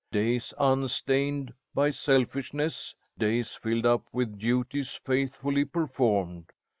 Days unstained by selfishness, days filled up with duties faithfully performed.